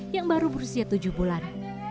yang baru berusia tujuh bulan